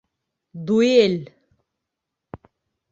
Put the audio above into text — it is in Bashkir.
Дуэль!